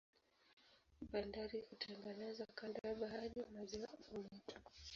Bandari hutengenezwa kando ya bahari, maziwa au mito.